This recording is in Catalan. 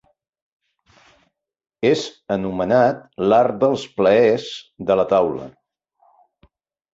És anomenat l'art dels plaers de la taula.